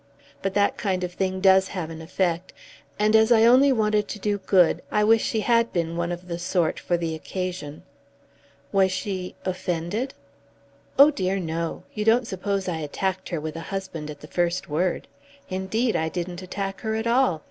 But that kind of thing does have an effect; and as I only wanted to do good, I wish she had been one of the sort for the occasion." "Was she offended?" "Oh dear, no. You don't suppose I attacked her with a husband at the first word. Indeed, I didn't attack her at all.